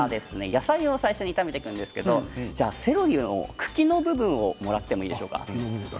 野菜を最初に炒めていくんですけれどセロリの茎の部分をもらってもいいですか？